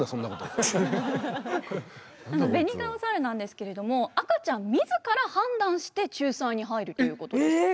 ベニガオザルなんですけれども赤ちゃん自ら判断して仲裁に入るということです。